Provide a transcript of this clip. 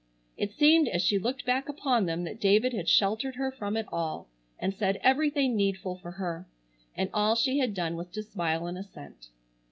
It seemed as she looked back upon them that David had sheltered her from it all, and said everything needful for her, and all she had done was to smile an assent.